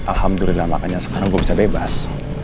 alhamdulillah makanya sekarang gue bisa bebas